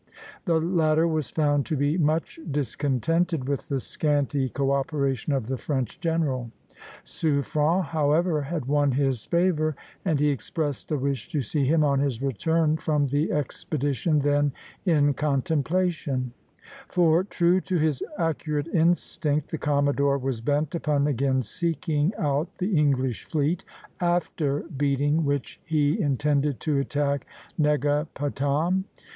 The latter was found to be much discontented with the scanty co operation of the French general. Suffren, however, had won his favor, and he expressed a wish to see him on his return from the expedition then in contemplation; for, true to his accurate instinct, the commodore was bent upon again seeking out the English fleet, after beating which he intended to attack Negapatam.